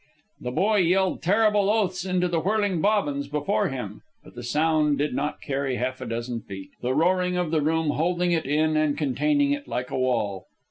The boy yelled terrible oaths into the whirling bobbins before him; but the sound did not carry half a dozen feet, the roaring of the room holding it in and containing it like a wall.